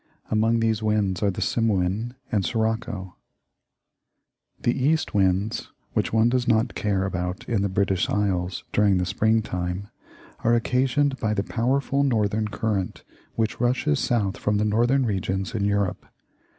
Among these winds are the simoom and sirocco. The east winds, which one does not care about in the British Islands during the spring time, are occasioned by the powerful northern current which rushes south from the northern regions in Europe.